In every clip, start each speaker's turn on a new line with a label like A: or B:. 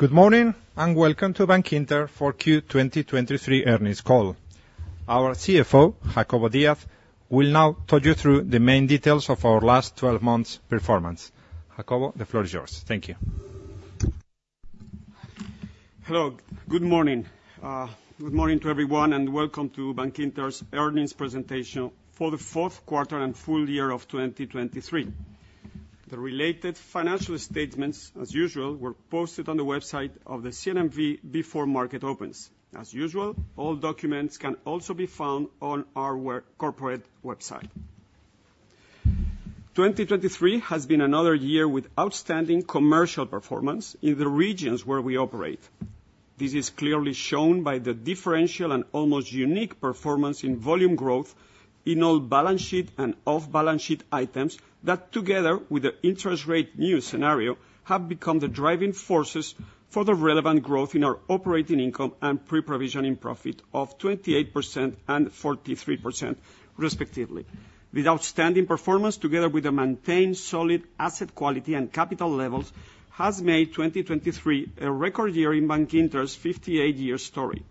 A: Good morning, and welcome to Bankinter 4Q 2023 Earnings Call. Our CFO, Jacobo Díaz, will now talk you through the main details of our last 12 months' performance. Jacobo, the floor is yours. Thank you.
B: Hello, good morning. Good morning to everyone, and welcome to Bankinter's earnings presentation for the fourth quarter and full year of 2023. The related financial statements, as usual, were posted on the website of the CNMV before market opens. As usual, all documents can also be found on our corporate website. 2023 has been another year with outstanding commercial performance in the regions where we operate. This is clearly shown by the differential and almost unique performance in volume growth in all balance sheet and off-balance sheet items, that, together with the interest rate new scenario, have become the driving forces for the relevant growth in our operating income and pre-provisioning profit of 28% and 43% respectively. This outstanding performance, together with a maintained solid asset quality and capital levels, has made 2023 a record year in Bankinter's 58-year story.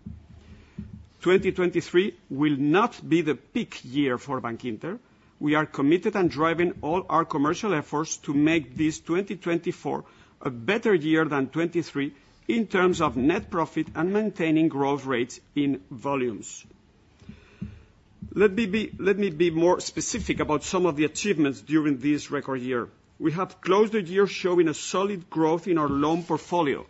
B: 2023 will not be the peak year for Bankinter. We are committed and driving all our commercial efforts to make this 2024 a better year than 2023 in terms of net profit and maintaining growth rates in volumes. Let me be, let me be more specific about some of the achievements during this record year. We have closed the year showing a solid growth in our loan portfolio.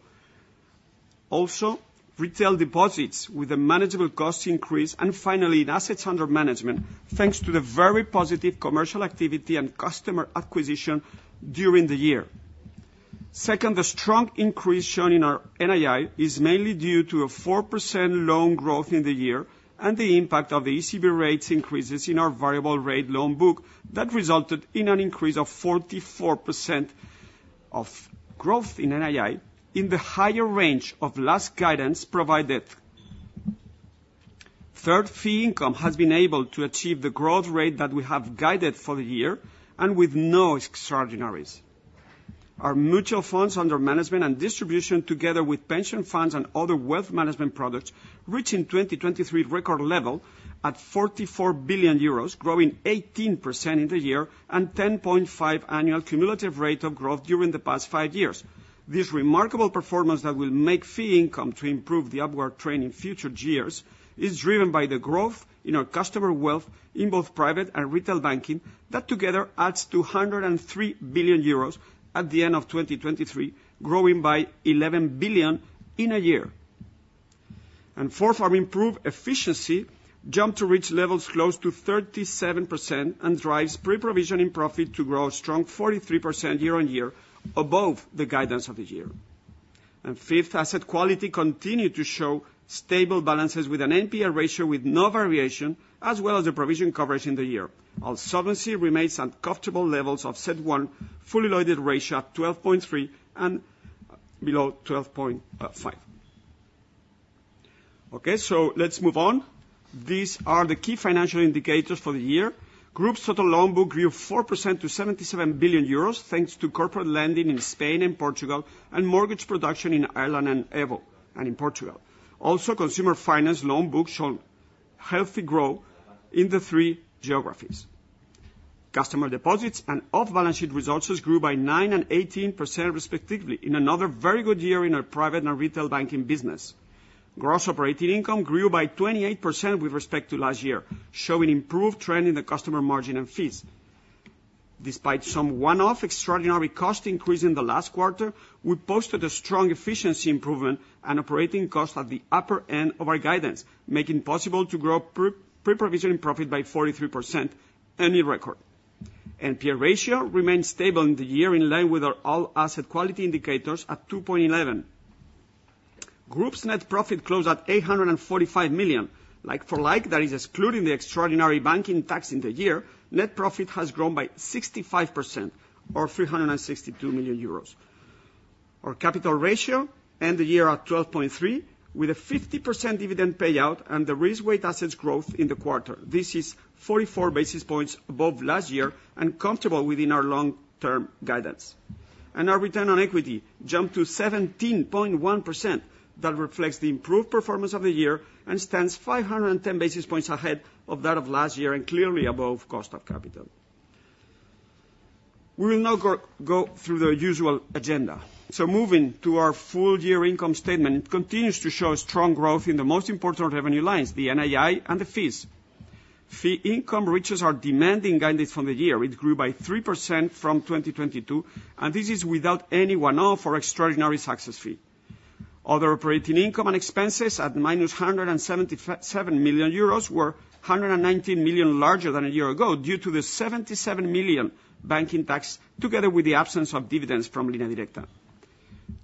B: Also, retail deposits with a manageable cost increase, and finally, in assets under management, thanks to the very positive commercial activity and customer acquisition during the year. Second, the strong increase shown in our NII is mainly due to a 4% loan growth in the year, and the impact of the ECB rates increases in our variable rate loan book, that resulted in an increase of 44% of growth in NII, in the higher range of last guidance provided. Third, fee income has been able to achieve the growth rate that we have guided for the year, and with no extraordinaries. Our mutual funds under management and distribution, together with pension funds and other wealth management products, reach in 2023, record level at 44 billion euros, growing 18% in the year and 10.5% annual cumulative rate of growth during the past five years. This remarkable performance that will make fee income to improve the upward trend in future years, is driven by the growth in our customer wealth in both private and retail banking. That together adds to 103 billion euros at the end of 2023, growing by 11 billion in a year. Fourth, our improved efficiency jumped to reach levels close to 37% and drives pre-provision in profit to grow a strong 43% year-on-year, above the guidance of the year. Fifth, asset quality continued to show stable balances with an NPA ratio, with no variation, as well as the provision coverage in the year, while solvency remains at comfortable levels of CET1 fully loaded ratio at 12.3 and below 12.5. Okay, so let's move on. These are the key financial indicators for the year. Group's total loan book grew 4% to 77 billion euros, thanks to corporate lending in Spain and Portugal, and mortgage production in Ireland and EVO, and in Portugal. Also, consumer finance loan book shown healthy growth in the three geographies. Customer deposits and off-balance sheet resources grew by 9% and 18%, respectively, in another very good year in our private and retail banking business. Gross operating income grew by 28% with respect to last year, showing improved trend in the customer margin and fees. Despite some one-off extraordinary cost increase in the last quarter, we posted a strong efficiency improvement and operating cost at the upper end of our guidance, making possible to grow pre-provision profit by 43%, a new record. NPA ratio remained stable in the year, in line with our overall asset quality indicators at 2.11. Group's net profit closed at 845 million. Like for like, that is excluding the extraordinary banking tax in the year, net profit has grown by 65% or 362 million euros. Our capital ratio ended the year at 12.3, with a 50% dividend payout and the risk-weighted assets growth in the quarter. This is 44 basis points above last year and comfortable within our long-term guidance. And our return on equity jumped to 17.1%. That reflects the improved performance of the year and stands 510 basis points ahead of that of last year, and clearly above cost of capital. We will now go through the usual agenda. So moving to our full year income statement, it continues to show strong growth in the most important revenue lines, the NII and the fees. Fee income reaches our demanding guidance from the year. It grew by 3% from 2022, and this is without any one-off or extraordinary success fee. Other operating income and expenses at -177 million euros were 119 million larger than a year ago, due to the 77 million banking tax, together with the absence of dividends from Línea Directa.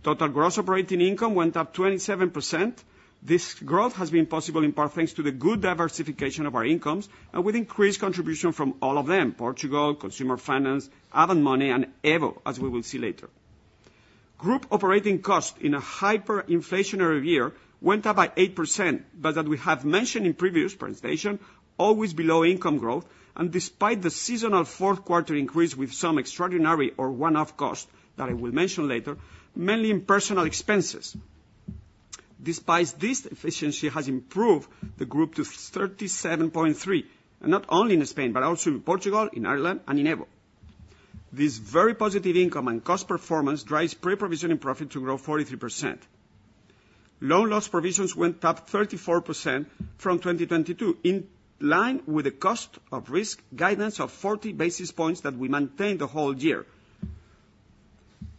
B: Total gross operating income went up 27%. This growth has been possible, in part, thanks to the good diversification of our incomes and with increased contribution from all of them, Portugal, Consumer Finance, Avant Money, and EVO, as we will see later. Group operating cost in a hyperinflationary year went up by 8%, but as we have mentioned in previous presentation, always below income growth, and despite the seasonal fourth quarter increase with some extraordinary or one-off cost, that I will mention later, mainly in personal expenses. Despite this, efficiency has improved the group to 37.3, and not only in Spain, but also in Portugal, in Ireland, and in EVO. This very positive income and cost performance drives pre-provision and profit to grow 43%. Loan loss provisions went up 34% from 2022, in line with the cost of risk guidance of 40 basis points that we maintained the whole year.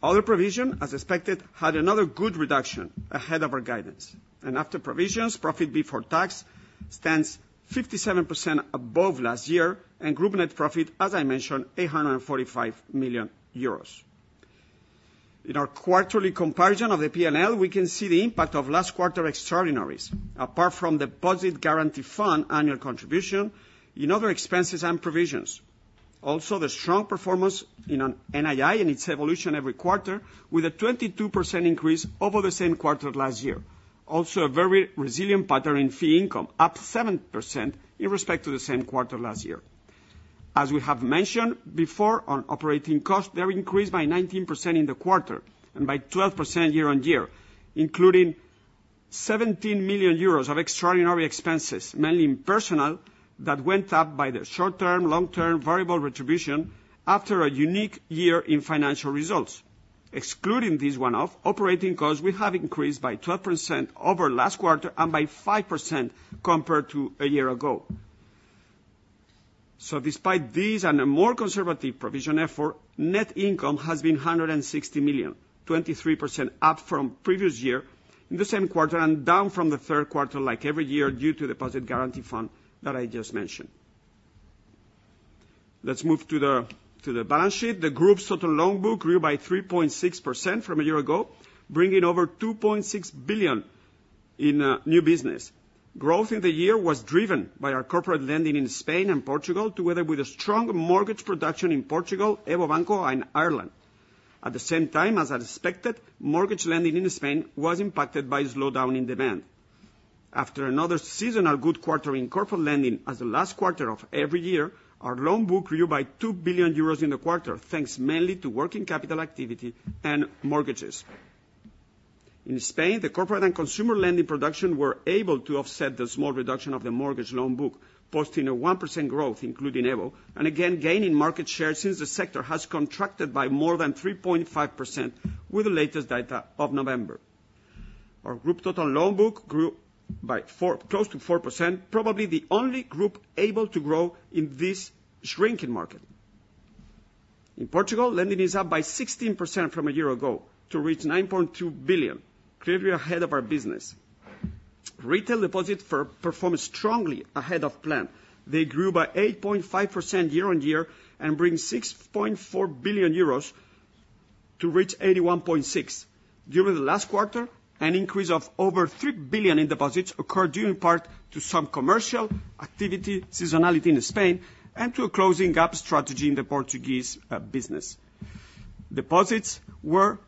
B: Other provision, as expected, had another good reduction ahead of our guidance. And after provisions, profit before tax stands 57% above last year, and group net profit, as I mentioned, 845 million euros. In our quarterly comparison of the P&L, we can see the impact of last quarter extraordinaries, apart from the Deposit Guarantee Fund annual contribution in other expenses and provisions. Also, the strong performance in NII and its evolution every quarter, with a 22% increase over the same quarter last year. Also, a very resilient pattern in fee income, up 7% in respect to the same quarter last year. As we have mentioned before, on operating costs, they increased by 19% in the quarter and by 12% year-on-year, including 17 million euros of extraordinary expenses, mainly in personal, that went up by the short-term, long-term variable retribution after a unique year in financial results. Excluding this one-off, operating costs will have increased by 12% over last quarter and by 5% compared to a year ago. So despite this and a more conservative provision effort, net income has been 160 million, 23% up from previous year in the same quarter and down from the third quarter, like every year, due to Deposit Guarantee Fund that I just mentioned. Let's move to the balance sheet. The group's total loan book grew by 3.6% from a year ago, bringing over 2.6 billion in new business. Growth in the year was driven by our corporate lending in Spain and Portugal, together with a strong mortgage production in Portugal, EVO Banco and Ireland. At the same time, as expected, mortgage lending in Spain was impacted by a slowdown in demand. After another seasonal good quarter in corporate lending as the last quarter of every year, our loan book grew by 2 billion euros in the quarter, thanks mainly to working capital activity and mortgages. In Spain, the corporate and consumer lending production were able to offset the small reduction of the mortgage loan book, posting a 1% growth, including EVO, and again, gaining market share since the sector has contracted by more than 3.5% with the latest data of November. Our group total loan book grew by close to 4%, probably the only group able to grow in this shrinking market. In Portugal, lending is up by 16% from a year ago to reach 9.2 billion, clearly ahead of our business. Retail deposits performed strongly ahead of plan. They grew by 8.5% year-on-year and bring 6.4 billion euros to reach 81.6. During the last quarter, an increase of over 3 billion in deposits occurred due in part to some commercial activity, seasonality in Spain, and to a closing gap strategy in the Portuguese business. Deposits were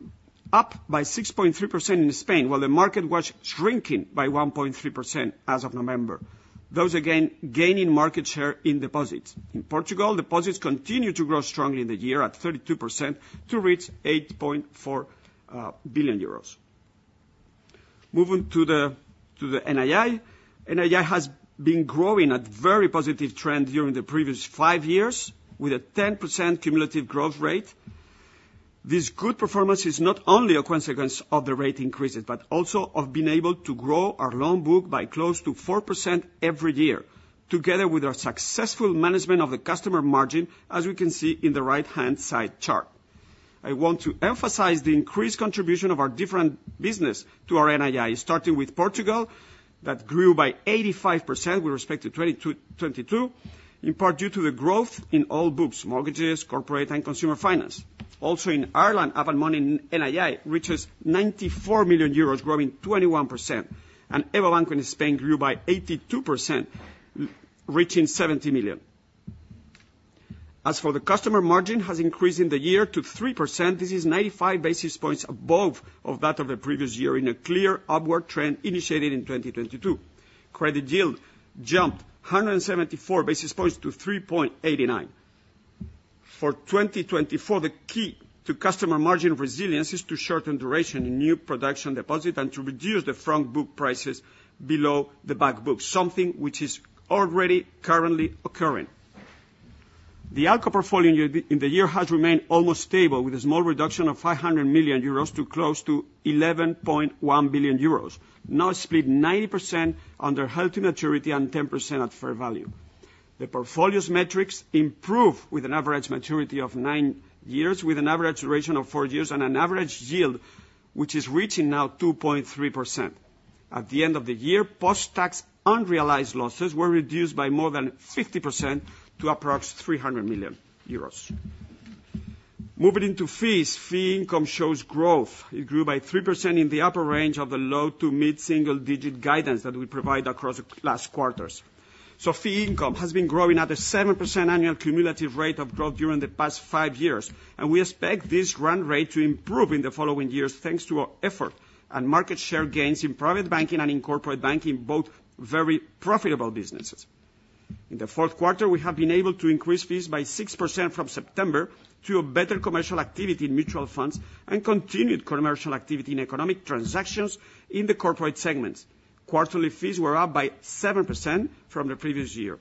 B: up by 6.3% in Spain, while the market was shrinking by 1.3% as of November, those again, gaining market share in deposits. In Portugal, deposits continued to grow strongly in the year at 32% to reach 8.4 billion euros. Moving to the NII. NII has been growing at very positive trend during the previous five years, with a 10% cumulative growth rate. This good performance is not only a consequence of the rate increases, but also of being able to grow our loan book by close to 4% every year, together with our successful management of the customer margin, as we can see in the right-hand side chart. I want to emphasize the increased contribution of our different business to our NII, starting with Portugal, that grew by 85% with respect to 2022, in part due to the growth in all books: mortgages, corporate, and consumer finance. Also, in Ireland, Avant Money NII reaches 94 million euros, growing 21%, and EVO Banco in Spain grew by 82%, reaching 70 million. As for the customer margin, has increased in the year to 3%. This is 95 basis points above of that of the previous year, in a clear upward trend initiated in 2022. Credit yield jumped 174 basis points to 3.89. For 2024, the key to customer margin resilience is to shorten duration in new production deposit and to reduce the front book prices below the back book, something which is already currently occurring. The ALCO portfolio in the year has remained almost stable, with a small reduction of 500 million euros to close to 11.1 billion euros, now split 90% under healthy maturity and 10% at fair value. The portfolio's metrics improve with an average maturity of nine years, with an average duration of four years and an average yield which is reaching now 2.3%. At the end of the year, post-tax unrealized losses were reduced by more than 50% to approximately 300 million euros. Moving into fees, fee income shows growth. It grew by 3% in the upper range of the low to mid-single digit guidance that we provided across the last quarters. So fee income has been growing at a 7% annual cumulative rate of growth during the past five years, and we expect this run rate to improve in the following years, thanks to our effort and market share gains in private banking and in corporate banking, both very profitable businesses.... In the fourth quarter, we have been able to increase fees by 6% from September to a better commercial activity in mutual funds and continued commercial activity in economic transactions in the corporate segments. Quarterly fees were up by 7% from the previous year.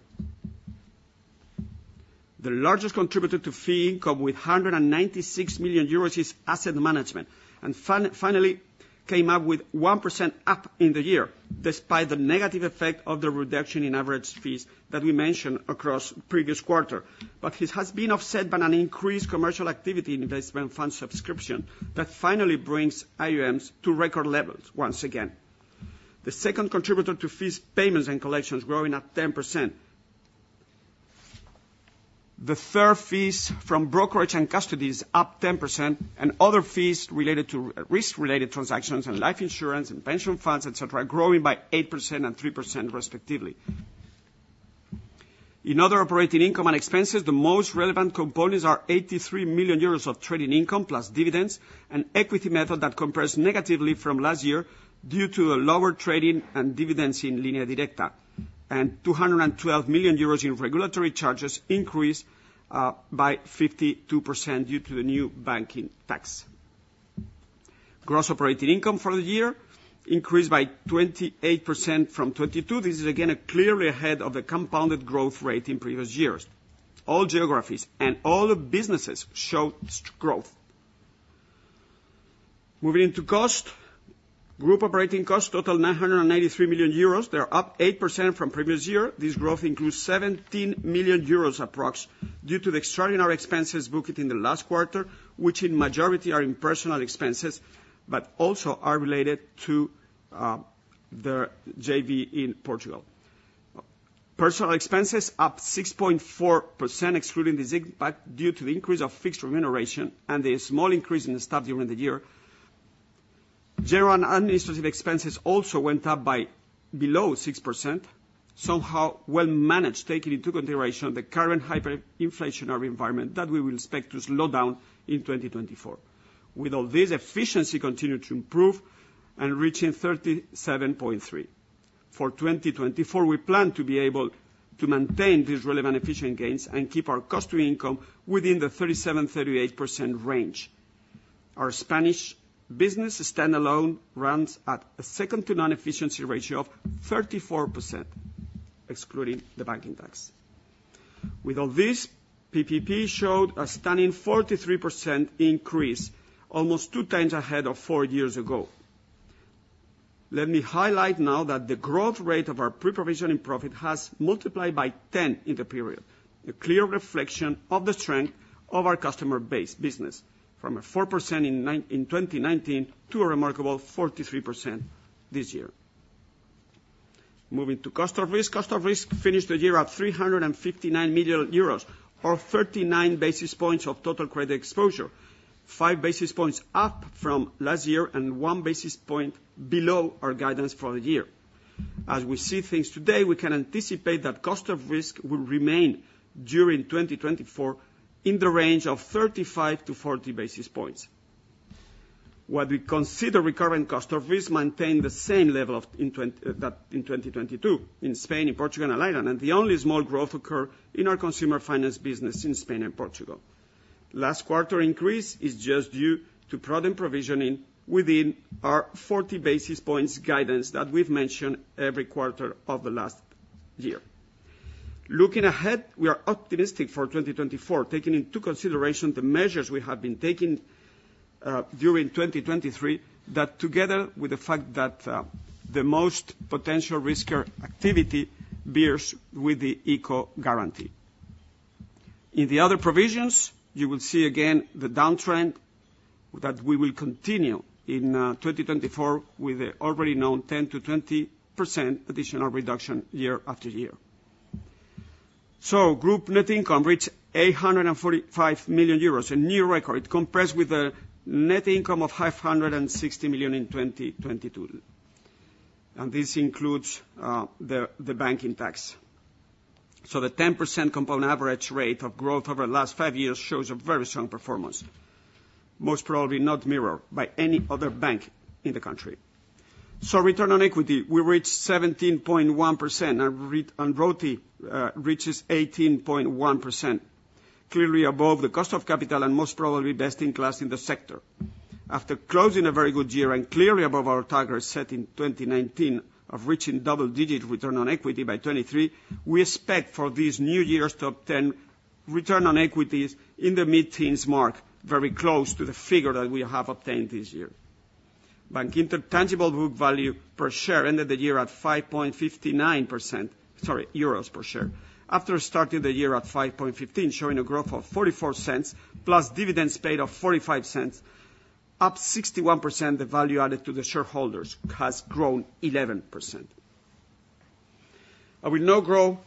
B: The largest contributor to fee income, with 196 million euros, is asset management, and finally, came up with 1% up in the year, despite the negative effect of the reduction in average fees that we mentioned across previous quarter. But this has been offset by an increased commercial activity in investment fund subscription that finally brings IUMs to record levels once again. The second contributor to fees, payments and collections, growing at 10%. The third fees from brokerage and custody is up 10%, and other fees related to risk-related transactions and life insurance and pension funds, etc., growing by 8% and 3%, respectively. In other operating income and expenses, the most relevant components are 83 million euros of trading income, plus dividends and equity method that compares negatively from last year due to a lower trading and dividends in Línea Directa, and 212 million euros in regulatory charges increased by 52% due to the new banking tax. Gross operating income for the year increased by 28% from '22. This is again, clearly ahead of the compounded growth rate in previous years. All geographies and all the businesses showed growth. Moving into cost. Group operating costs total 993 million euros. They are up 8% from previous year. This growth includes 17 million euros, approx, due to the extraordinary expenses booked in the last quarter, which in majority are in personal expenses, but also are related to the JV in Portugal. Personal expenses up 6.4%, excluding the zig, but due to the increase of fixed remuneration and the small increase in the staff during the year. General and administrative expenses also went up by below 6%, somehow well managed, taking into consideration the current hyperinflationary environment that we will expect to slow down in 2024. With all this, efficiency continued to improve and reaching 37.3. For 2024, we plan to be able to maintain these relevant efficient gains and keep our cost to income within the 37%-38% range. Our Spanish business standalone runs at a second to none efficiency ratio of 34%, excluding the banking tax. With all this, PPP showed a stunning 43% increase, almost 2 times ahead of four years ago. Let me highlight now that the growth rate of our pre-provisioning profit has multiplied by 10 in the period, a clear reflection of the strength of our customer base business, from 4% in 2019 to a remarkable 43% this year. Moving to cost of risk. Cost of risk finished the year at 359 million euros, or 39 basis points of total credit exposure, 5 basis points up from last year and 1 basis point below our guidance for the year. As we see things today, we can anticipate that cost of risk will remain during 2024 in the range of 35-40 basis points. What we consider recurring cost of risk maintained the same level of, in 2022, in Spain, in Portugal, and Ireland, and the only small growth occur in our consumer finance business in Spain and Portugal. Last quarter increase is just due to product provisioning within our 40 basis points guidance that we've mentioned every quarter of the last year. Looking ahead, we are optimistic for 2024, taking into consideration the measures we have been taking, during 2023, that together with the fact that, the most potential risky activity bears with the ICO guarantee. In the other provisions, you will see again the downtrend, that we will continue in, 2024, with the already known 10%-20% additional reduction year after year. So group net income reached 845 million euros, a new record. It compared with a net income of 560 million in 2022, and this includes the banking tax. So the 10% compound average rate of growth over the last 5 years shows a very strong performance, most probably not mirrored by any other bank in the country. So return on equity, we reached 17.1%, and ROTE reaches 18.1%, clearly above the cost of capital and most probably best in class in the sector. After closing a very good year and clearly above our target set in 2019 of reaching double-digit return on equity by 2023, we expect for these new years to obtain return on equities in the mid-teens mark, very close to the figure that we have obtained this year. Bankinter tangible group value per share ended the year at 5.59 euros per share, after starting the year at 5.15, showing a growth of 0.44 euros, plus dividends paid of 0.45 euros, up 61%, the value added to the shareholders has grown 11%. I will now go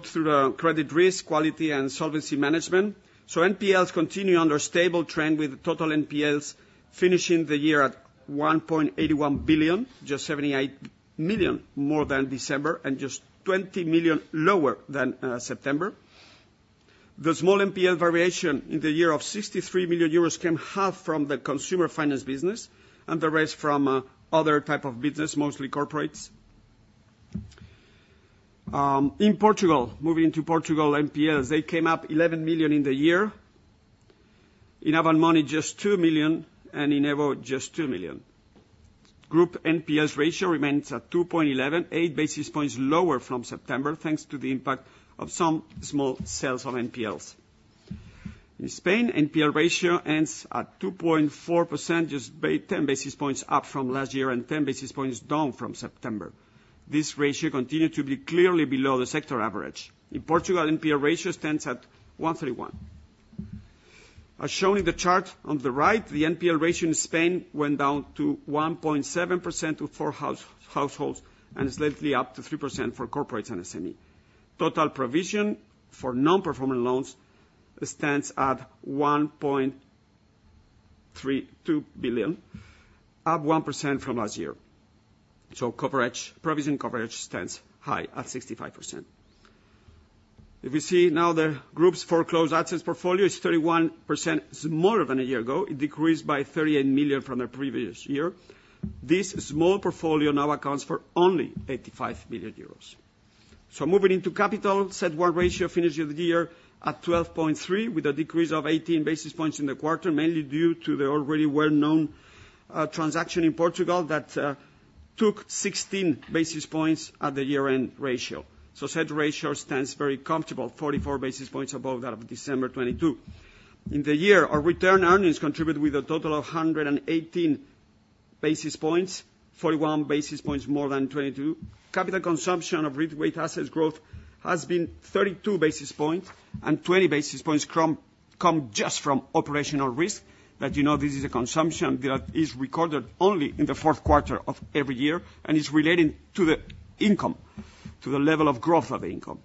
B: through the credit risk, quality, and solvency management. So NPLs continue on their stable trend, with total NPLs finishing the year at 1.81 billion, just 78 million more than December and just 20 million lower than September. The small NPL variation in the year of 63 million euros came half from the consumer finance business, and the rest from other type of business, mostly corporates. In Portugal, moving to Portugal NPLs, they came up 11 million in the year. In Avant Money, just 2 million, and in EVO, just 2 million. Group NPL ratio remains at 2.11%, 8 basis points lower from September, thanks to the impact of some small sales of NPLs. In Spain, NPL ratio ends at 2.4%, just ten basis points up from last year and 10 basis points down from September. This ratio continued to be clearly below the sector average. In Portugal, NPL ratio stands at 1.31%. As shown in the chart on the right, the NPL ratio in Spain went down to 1.7% for households, and slightly up to 3% for corporates and SME. Total provision for non-performing loans stands at 1.32 billion, up 1% from last year. So coverage, provision coverage stands high at 65%. If you see now, the group's foreclosed assets portfolio is 31% more than a year ago. It decreased by 38 million from the previous year. This small portfolio now accounts for only 85 billion euros. So moving into capital, CET1 ratio finished the year at 12.3, with a decrease of 18 basis points in the quarter, mainly due to the already well-known transaction in Portugal that took 16 basis points at the year-end ratio. So such ratio stands very comfortable, 44 basis points above that of December 2022. In the year, our retained earnings contributed with a total of 118 basis points, 41 basis points more than 2022. Capital consumption of risk-weighted assets growth has been 32 basis points, and 20 basis points from operational risk, that you know, this is a consumption that is recorded only in the fourth quarter of every year, and is relating to the income, to the level of growth of income.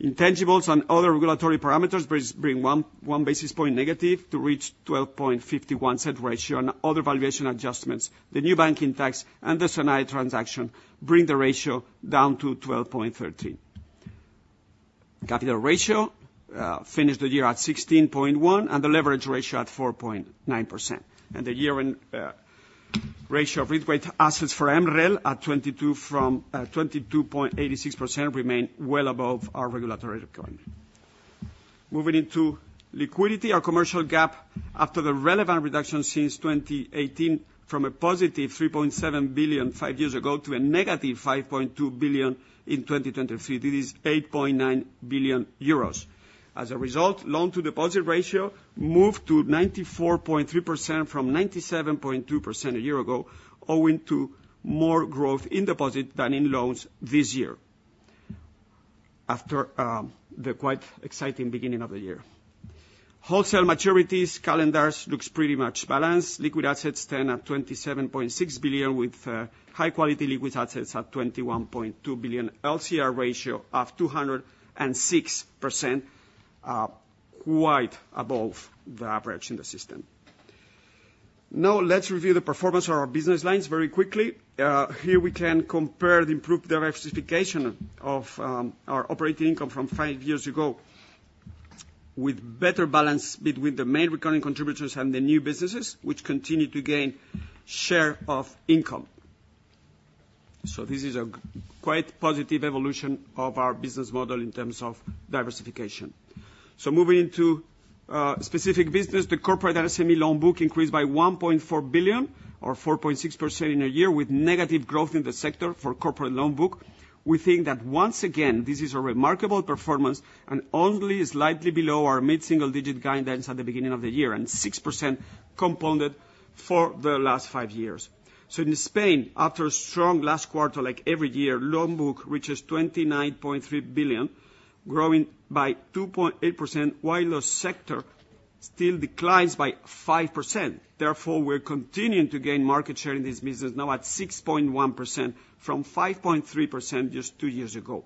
B: Intangibles and other regulatory parameters bring one basis point negative to reach 12.51% CET1 ratio, and other valuation adjustments, the new banking tax and the Sonae transaction, bring the ratio down to 12.13%. Capital ratio finished the year at 16.1%, and the leverage ratio at 4.9%. The year-end ratio of risk-weighted assets for MREL at 22% from 22.86% remain well above our regulatory requirement. Moving into liquidity, our commercial gap after the relevant reduction since 2018, from a positive 3.7 billion five years ago to a negative 5.2 billion in 2023, this is 8.9 billion euros. As a result, loan-to-deposit ratio moved to 94.3% from 97.2% a year ago, owing to more growth in deposit than in loans this year, after the quite exciting beginning of the year. Wholesale maturities calendars looks pretty much balanced. Liquid assets stand at 27.6 billion, with high quality liquid assets at 21.2 billion. LCR ratio of 206%, quite above the average in the system. Now, let's review the performance of our business lines very quickly. Here we can compare the improved diversification of our operating income from five years ago, with better balance between the main recurring contributors and the new businesses, which continue to gain share of income. So this is quite positive evolution of our business model in terms of diversification. So moving into specific business, the corporate and SME loan book increased by 1.4 billion or 4.6% in a year, with negative growth in the sector for corporate loan book. We think that once again, this is a remarkable performance and only slightly below our mid-single-digit guidance at the beginning of the year, and 6% compounded for the last five years. So in Spain, after a strong last quarter, like every year, loan book reaches 29.3 billion, growing by 2.8%, while the sector still declines by 5%. Therefore, we're continuing to gain market share in this business, now at 6.1% from 5.3% just two years ago.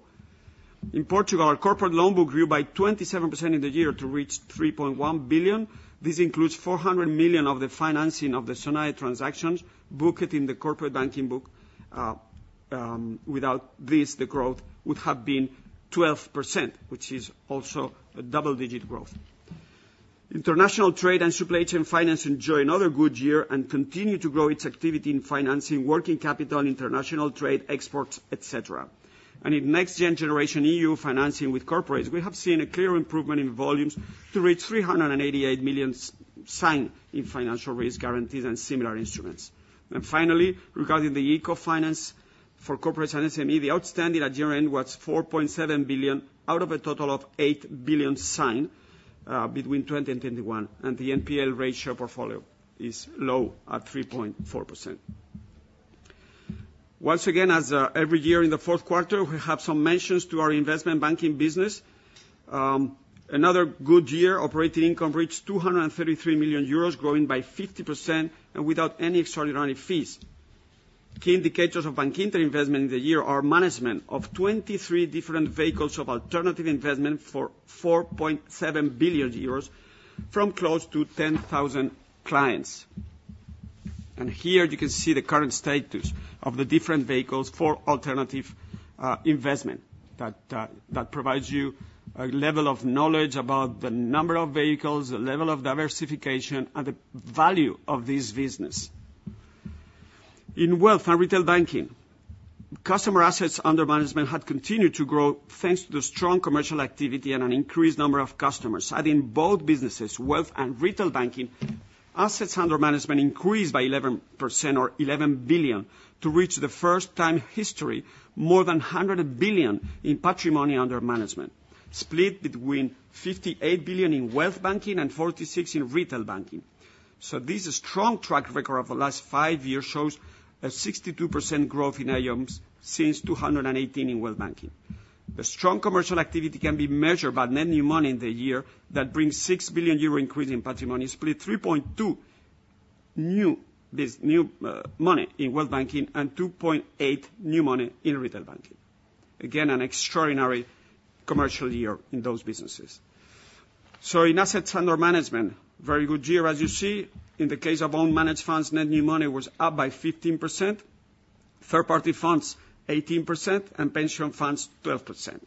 B: In Portugal, our corporate loan book grew by 27% in the year to reach 3.1 billion. This includes 400 million of the financing of the Sonae transactions, booked in the corporate banking book. Without this, the growth would have been 12%, which is also a double-digit growth. International trade and supply chain finance enjoy another good year, and continue to grow its activity in financing working capital, international trade, exports, et cetera. In NextGenerationEU financing with corporates, we have seen a clear improvement in volumes to reach 388 million signed in financial risk guarantees and similar instruments. And finally, regarding the ICO finance for corporates and SME, the outstanding at year-end was 4.7 billion, out of a total of 8 billion signed between 2020 and 2021, and the NPL ratio of the portfolio is low at 3.4%. Once again, every year in the fourth quarter, we have some mentions to our investment banking business. Another good year, operating income reached 233 million euros, growing by 50% and without any extraordinary fees. Key indicators of banking investment in the year are management of 23 different vehicles of alternative investment for 4.7 billion euros from close to 10,000 clients. Here you can see the current status of the different vehicles for alternative investment. That provides you a level of knowledge about the number of vehicles, the level of diversification, and the value of this business. In wealth and retail banking, customer assets under management had continued to grow, thanks to the strong commercial activity and an increased number of customers. Adding both businesses, wealth and retail banking, assets under management increased by 11% or 11 billion, to reach the first time in history, more than 100 billion in patrimony under management, split between 58 billion in wealth banking and 46 billion in retail banking. So this strong track record of the last five years shows a 62% growth in AUMs since 2018 in wealth banking. The strong commercial activity can be measured by net new money in the year that brings 6 billion euro increase in patrimony, split 3.2 new money in wealth banking and 2.8 new money in retail banking. Again, an extraordinary commercial year in those businesses. So in asset under management, very good year, as you see. In the case of own managed funds, net new money was up by 15%, third-party funds, 18%, and pension funds, 12%.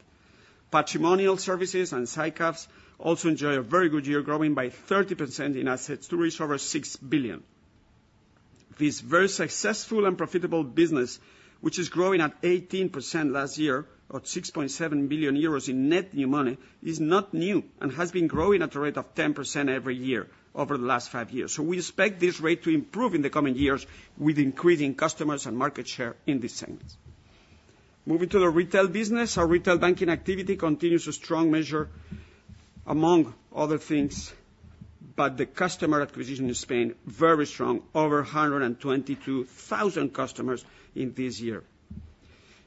B: Patrimonial services and SICAVs also enjoy a very good year, growing by 30% in assets to reach over 6 billion. This very successful and profitable business, which is growing at 18% last year, or 6.7 billion euros in net new money, is not new and has been growing at a rate of 10% every year over the last five years. We expect this rate to improve in the coming years with increasing customers and market share in this segment. Moving to the retail business. Our retail banking activity continues a strong measure, among other things, but the customer acquisition in Spain, very strong, over 122,000 customers in this year.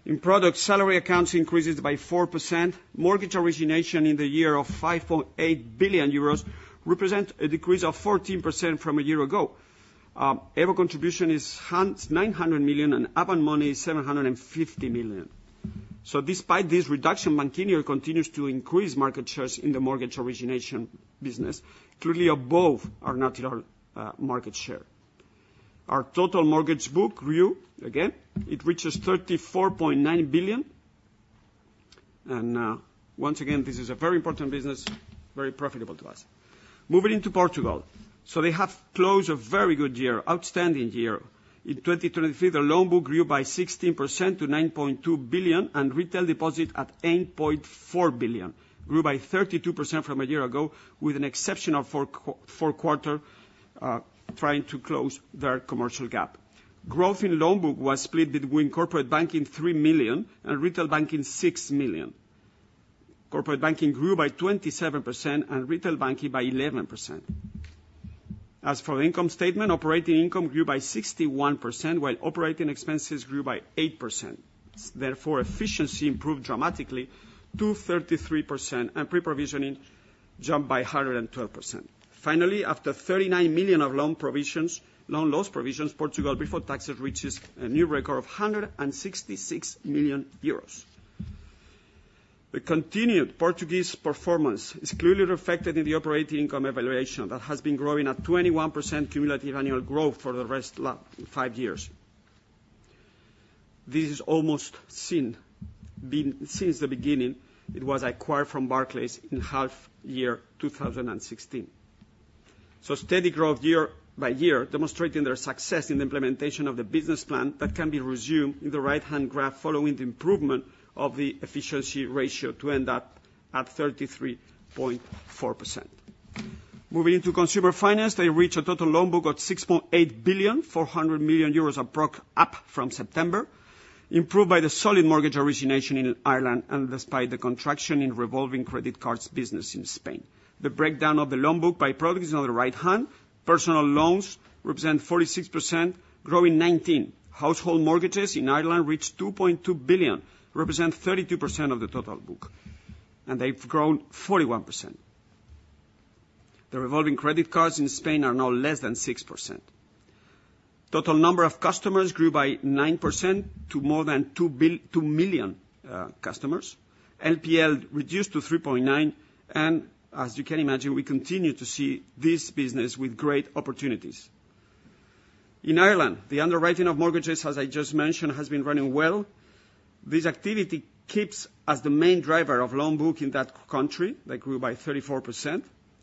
B: In products, salary accounts increases by 4%. Mortgage origination in the year of 5.8 billion euros represent a decrease of 14% from a year ago. EVO contribution is 900 million, and Avant Money, 750 million. So despite this reduction, Bankinter continues to increase market shares in the mortgage origination business, clearly above our natural market share. Our total mortgage book grew again. It reaches 34.9 billion. And once again, this is a very important business, very profitable to us. Moving into Portugal. So they have closed a very good year, outstanding year. In 2023, the loan book grew by 16% to 9.2 billion, and retail deposit at 8.4 billion, grew by 32% from a year ago, with an exceptional fourth quarter, trying to close their commercial gap. Growth in loan book was split between corporate banking, 3 million, and retail banking, 6 million. Corporate banking grew by 27% and retail banking by 11%. As for income statement, operating income grew by 61%, while operating expenses grew by 8%. Therefore, efficiency improved dramatically to 33%, and pre-provisioning jumped by 112%. Finally, after 39 million of loan provisions, loan loss provisions, Portugal, before taxes, reaches a new record of 166 million euros. The continued Portuguese performance is clearly reflected in the operating income evaluation that has been growing at 21% cumulative annual growth for the last five years. This is almost unseen since the beginning, it was acquired from Barclays in half year 2016. So steady growth year by year, demonstrating their success in the implementation of the business plan that can be resumed in the right-hand graph, following the improvement of the efficiency ratio to end up at 33.4%. Moving into consumer finance, they reach a total loan book of 7.2 billion, up from September, improved by the solid mortgage origination in Ireland and despite the contraction in revolving credit cards business in Spain. The breakdown of the loan book by product is on the right hand. Personal loans represent 46%, growing 19%. Household mortgages in Ireland reach 2.2 billion, represent 32% of the total book, and they've grown 41%. The revolving credit cards in Spain are now less than 6%. Total number of customers grew by 9% to more than 2 million customers. NPL reduced to 3.9, and as you can imagine, we continue to see this business with great opportunities. In Ireland, the underwriting of mortgages, as I just mentioned, has been running well. This activity keeps as the main driver of loan book in that country. They grew by 34%.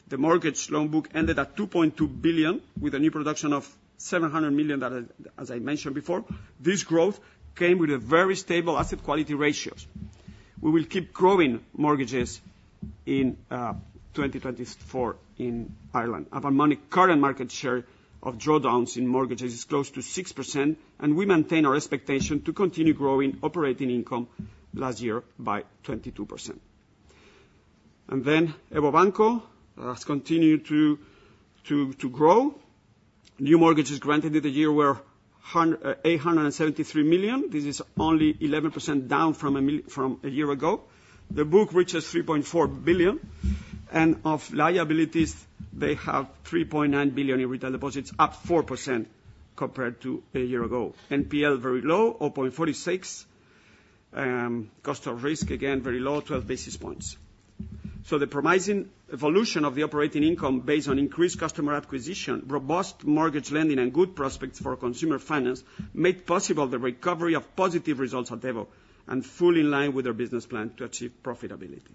B: The mortgage loan book ended at 2.2 billion, with a new production of 700 million, that, as I mentioned before, this growth came with a very stable asset quality ratios. We will keep growing mortgages in 2024 in Ireland. Avant Money current market share of drawdowns in mortgages is close to 6%, and we maintain our expectation to continue growing operating income last year by 22%. And then EVO Banco has continued to grow. New mortgages granted in the year were 873 million. This is only 11% down from a year ago. The book reaches 3.4 billion, and of liabilities, they have 3.9 billion in retail deposits, up 4% compared to a year ago. NPL very low, 0.46. Cost of risk, again, very low, 12 basis points. So the promising evolution of the operating income based on increased customer acquisition, robust mortgage lending, and good prospects for consumer finance, made possible the recovery of positive results at EVO, and fully in line with our business plan to achieve profitability.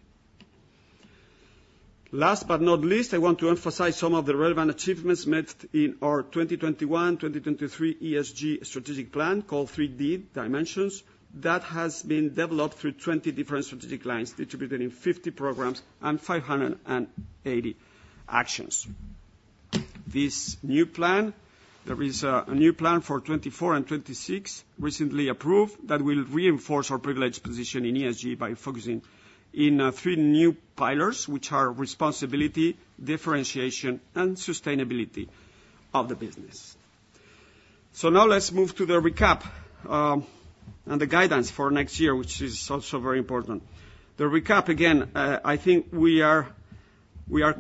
B: Last, but not least, I want to emphasize some of the relevant achievements made in our 2021-2023 ESG strategic plan, called 3D Dimensions, that has been developed through 20 different strategic lines, distributed in 50 programs and 580 actions. This new plan, there is, a new plan for 2024 and 2026, recently approved, that will reinforce our privileged position in ESG by focusing in, three new pillars, which are responsibility, differentiation, and sustainability of the business. So now let's move to the recap, and the guidance for next year, which is also very important. The recap, again, I think we are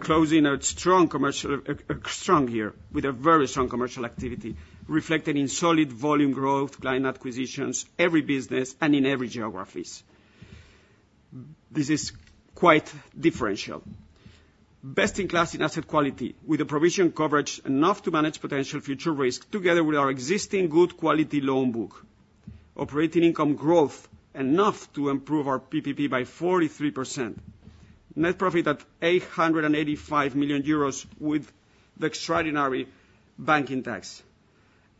B: closing a strong commercial, a strong year, with a very strong commercial activity, reflected in solid volume growth, client acquisitions, every business and in every geographies. This is quite differential. Best-in-class in asset quality, with a provision coverage enough to manage potential future risk, together with our existing good quality loan book. Operating income growth, enough to improve our PPP by 43%. Net profit at 885 million euros, with the extraordinary banking tax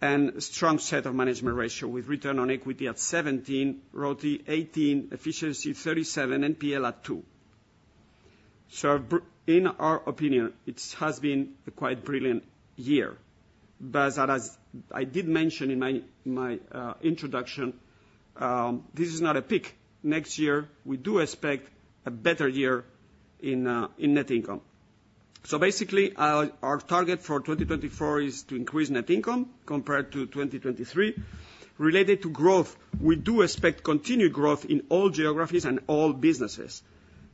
B: and strong set of management ratio, with return on equity at 17%, ROTE 18%, efficiency 37%, NPL at 2%. In our opinion, it has been a quite brilliant year. But as I did mention in my introduction, this is not a peak. Next year, we do expect a better year in net income. So basically, our target for 2024 is to increase net income compared to 2023. Related to growth, we do expect continued growth in all geographies and all businesses.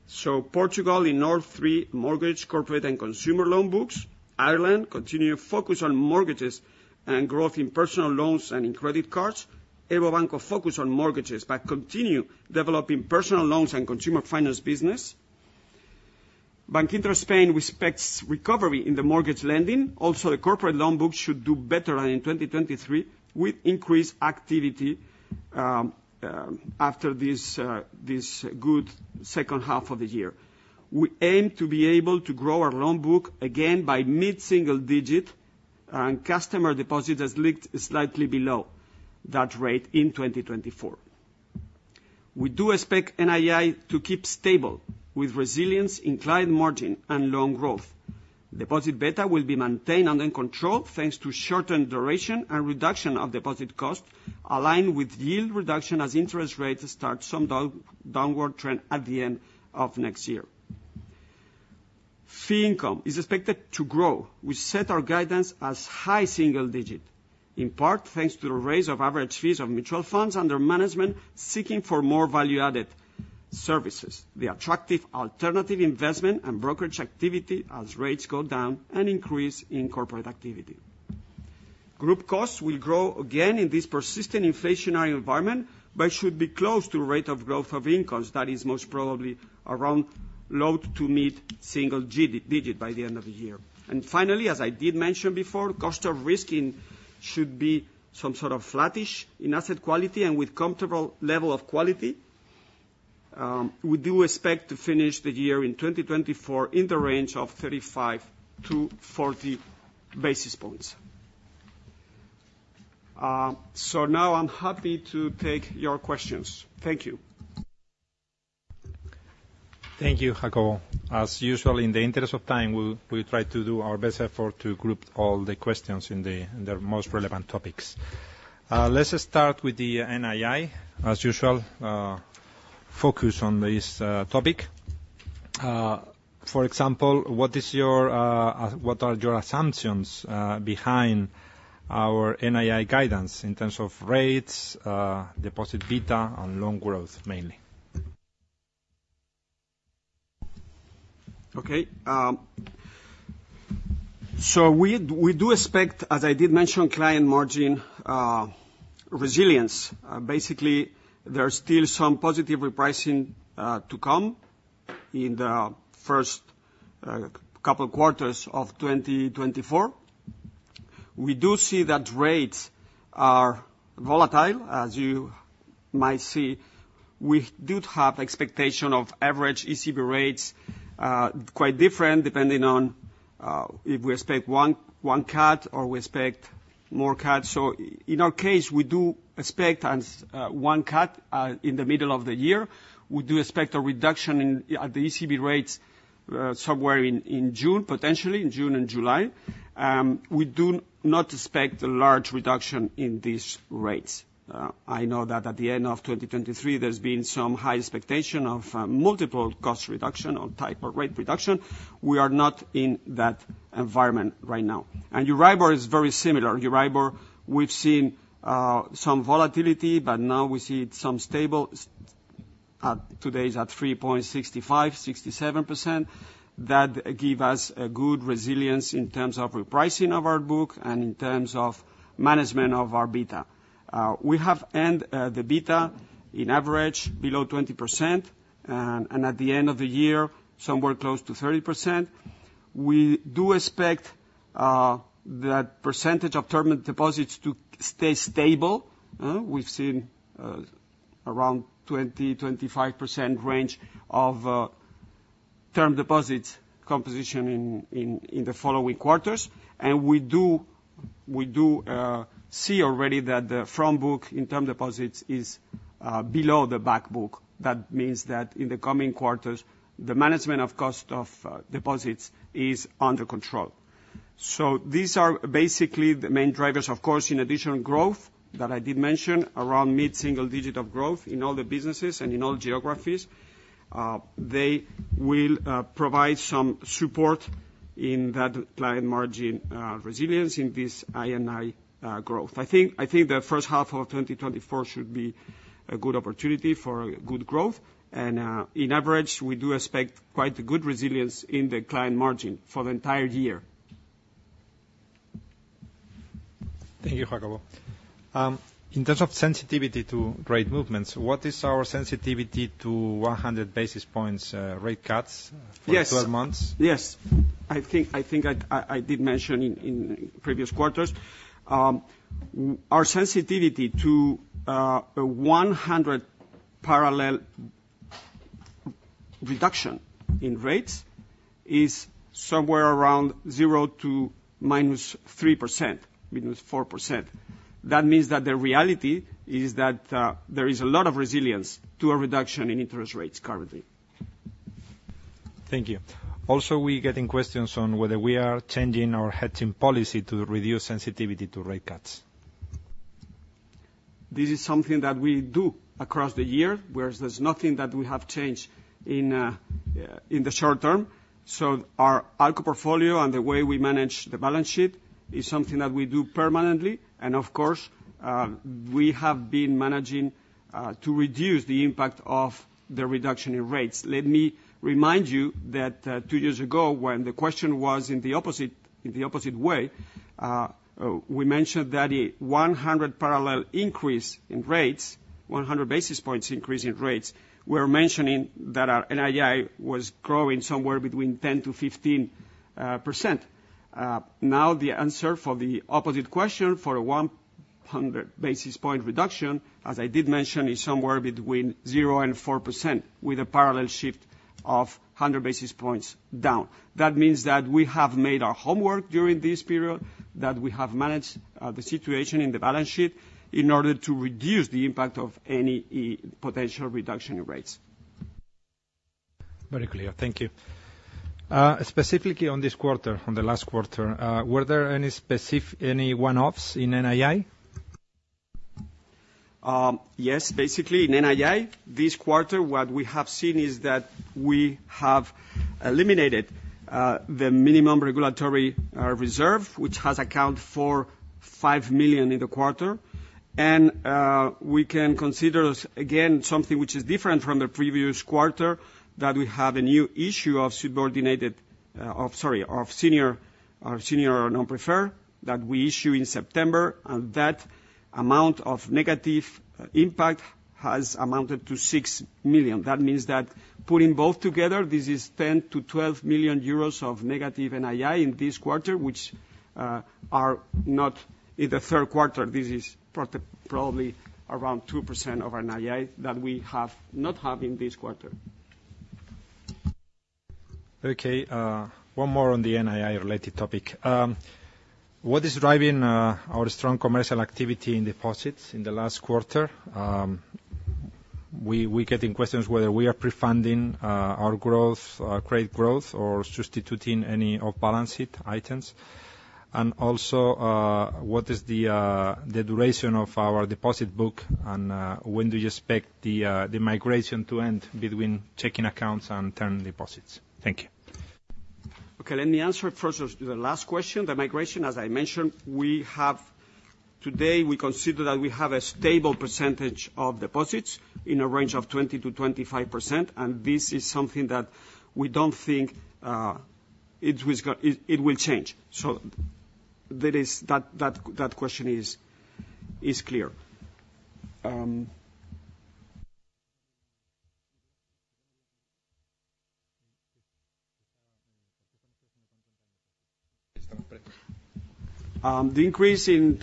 B: So Portugal, in all three, mortgage, corporate, and consumer loan books. Ireland, continue to focus on mortgages and growth in personal loans and in credit cards. EVO Banco focus on mortgages, but continue developing personal loans and consumer finance business. Bankinter Spain expects recovery in the mortgage lending. Also, the corporate loan book should do better in 2023, with increased activity, after this, this good second half of the year. We aim to be able to grow our loan book again by mid-single digit, and customer deposit has leaked slightly below that rate in 2024. We do expect NII to keep stable, with resilience in client margin and loan growth. Deposit beta will be maintained under control, thanks to shortened duration and reduction of deposit costs, aligned with yield reduction as interest rates start some down, downward trend at the end of next year. Fee income is expected to grow. We set our guidance as high single digit, in part, thanks to the raise of average fees of mutual funds under management, seeking for more value-added services, the attractive alternative investment and brokerage activity as rates go down, and increase in corporate activity. Group costs will grow again in this persistent inflationary environment, but should be close to rate of growth of incomes. That is most probably around low- to mid-single-digit by the end of the year. And finally, as I did mention before, cost of risk should be some sort of flattish in asset quality and with comfortable level of quality. We do expect to finish the year in 2024 in the range of 35-40 basis points. So now I'm happy to take your questions. Thank you.
A: Thank you, Jacob. As usual, in the interest of time, we'll try to do our best effort to group all the questions in their most relevant topics. Let's start with the NII. As usual, focus on this topic. For example, what are your assumptions behind our NII guidance in terms of rates, deposit beta, and loan growth, mainly?
B: Okay, so we do expect, as I did mention, client margin resilience. Basically, there are still some positive repricing to come in the first couple quarters of 2024. We do see that rates are volatile, as you might see. We do have expectation of average ECB rates quite different, depending on if we expect one cut or we expect more cuts. So in our case, we do expect a one cut in the middle of the year. We do expect a reduction in the ECB rates somewhere in June, potentially in June and July. We do not expect a large reduction in these rates. I know that at the end of 2023, there's been some high expectation of multiple cuts or type of rate reduction. We are not in that environment right now. Euribor is very similar. Euribor, we've seen, some volatility, but now we see it some stable, at today's at 3.65%-3.67%. That give us a good resilience in terms of repricing of our book and in terms of management of our beta. We have the beta in average below 20%, and at the end of the year, somewhere close to 30%. We do expect that percentage of term deposits to stay stable, we've seen around 20%-25% range of term deposits composition in the following quarters. We do see already that the front book in term deposits is below the back book. That means that in the coming quarters, the management of cost of deposits is under control. So these are basically the main drivers. Of course, in additional growth that I did mention, around mid-single-digit growth in all the businesses and in all geographies, they will provide some support in that client margin resilience in this NII growth. I think, I think the first half of 2024 should be a good opportunity for good growth, and on average, we do expect quite a good resilience in the client margin for the entire year.
A: Thank you, Jacobo. In terms of sensitivity to rate movements, what is our sensitivity to 100 basis points rate cuts?
B: Yes.
A: -for 12 months?
B: Yes. I think I did mention in previous quarters. Our sensitivity to a 100 parallel reduction in rates is somewhere around 0% to -3%, -4%. That means that the reality is that there is a lot of resilience to a reduction in interest rates currently.
A: Thank you. Also, we are getting questions on whether we are changing our hedging policy to reduce sensitivity to rate cuts.
B: This is something that we do across the year, whereas there's nothing that we have changed in the short term. So our ALCO portfolio and the way we manage the balance sheet is something that we do permanently, and of course, we have been managing to reduce the impact of the reduction in rates. Let me remind you that two years ago, when the question was in the opposite, in the opposite way, we mentioned that a 100 parallel increase in rates, 100 basis points increase in rates, we're mentioning that our NII was growing somewhere between 10%-15%. Now, the answer for the opposite question, for a 100 basis point reduction, as I did mention, is somewhere between 0%-4%, with a parallel shift of 100 basis points down. That means that we have made our homework during this period, that we have managed the situation in the balance sheet in order to reduce the impact of any potential reduction in rates.
A: Very clear. Thank you. Specifically on this quarter, on the last quarter, were there any one-offs in NII?
B: Yes. Basically, in NII, this quarter, what we have seen is that we have eliminated the minimum regulatory reserve, which has accounted for 5 million in the quarter. We can consider, again, something which is different from the previous quarter, that we have a new issue of senior non-preferred that we issue in September, and that amount of negative impact has amounted to 6 million. That means that putting both together, this is 10-12 million euros of negative NII in this quarter, which are not in the third quarter. This is probably around 2% of our NII that we do not have in this quarter.
A: Okay, one more on the NII-related topic. What is driving our strong commercial activity in deposits in the last quarter? We are getting questions whether we are pre-funding our growth, credit growth, or substituting any off-balance sheet items. And also, what is the duration of our deposit book, and when do you expect the migration to end between checking accounts and term deposits? Thank you.
B: Okay, let me answer first the last question. The migration, as I mentioned, we have. Today, we consider that we have a stable percentage of deposits in a range of 20%-25%, and this is something that we don't think it will change. So that is, that question is clear. The increase in